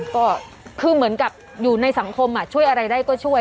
ก็คือเหมือนกับอยู่ในสังคมช่วยอะไรได้ก็ช่วย